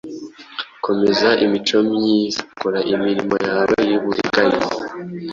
Komeza imico myiza kora imirimo yawe y'uburiganya